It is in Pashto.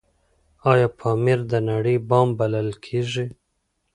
آیا پامیر د نړۍ بام بلل کیږي؟